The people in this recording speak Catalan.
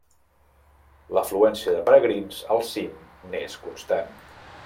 L'afluència de peregrins al cim n'és constant.